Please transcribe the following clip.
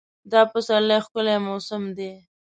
دا پسرلی ښکلی موسم دی.